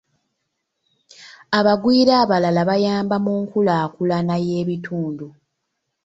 Abagwira abalala bayamba mu nkulaakulana y'ebitundu.